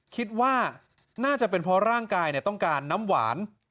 คิดว่าน่าจะเป็นเพราะร่างกายต้องการน้ำหวาน